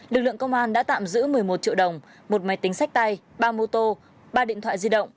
lực lượng công an đã tạm giữ một mươi một triệu đồng một máy tính sách tay ba mô tô ba điện thoại di động